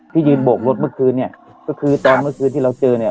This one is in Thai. ที่ยืนโบกรถเมื่อคืนเนี่ยก็คือตอนเมื่อคืนที่เราเจอเนี่ย